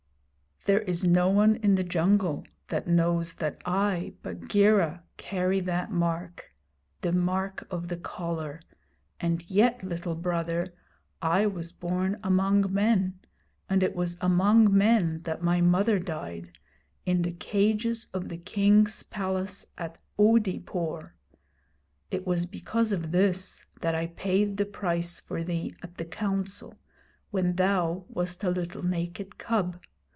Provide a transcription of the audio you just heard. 'There is no one in the jungle that knows that I, Bagheera, carry that mark the mark of the collar; and yet, Little Brother, I was born among men, and it was among men that my mother died in the cages of the King's Palace at Oodeypore. It was because of this that I paid the price for thee at the Council when thou wast a little naked cub.